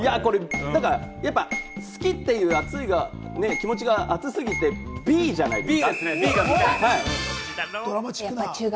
好きっていう熱い気持ちが熱すぎて、Ｂじゃないですか？